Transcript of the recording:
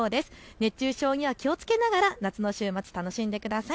熱中症に気をつけながら夏の週末、楽しんでください。